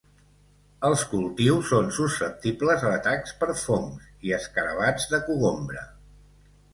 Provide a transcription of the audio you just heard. Els cultius són susceptibles a atacs per fongs, i escarabats de cogombre.